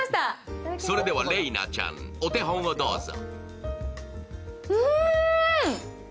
それでは麗菜ちゃん、お手本をどうぞ。